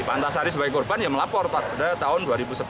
pak antasari sebagai korban ya melapor pada tahun dua ribu sebelas